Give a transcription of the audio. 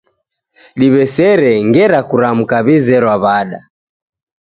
Diw'esere ngera kuramka w'izerwa w'ada